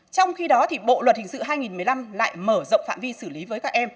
trong khi đó thì bộ luật hình sự hai nghìn một mươi năm lại mở rộng phạm vi xử lý với các em